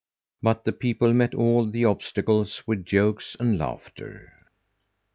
But the people met all the obstacles with jokes and laughter.